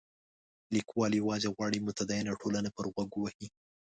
لیکوال یوازې غواړي متدینه ټولنه پر غوږ ووهي.